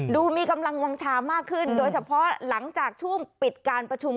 ดูมีกำลังวางชามากขึ้นโดยเฉพาะหลังจากช่วงปิดการประชุม